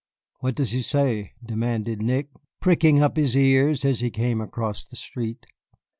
"What does he say?" demanded Nick, pricking up his ears as he came across the street.